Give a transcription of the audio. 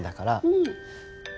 うん！